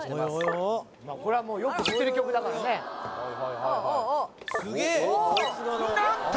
これはもうよく知ってる曲だからね何と！